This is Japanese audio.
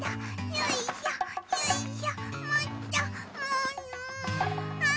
よいしょよいしょ。